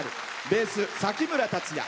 ベース、崎村達也。